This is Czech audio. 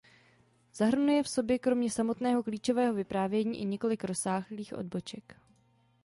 Zahrnuje v sobě kromě samotného klíčového vyprávění i několik rozsáhlých odboček.